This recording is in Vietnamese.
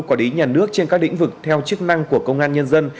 quả đí nhà nước trên các lĩnh vực theo chức năng của công an nhân dân